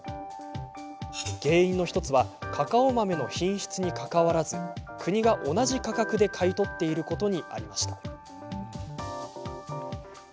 原因の１つはカカオ豆の品質にかかわらず国が同じ価格で買い取っていることにありました。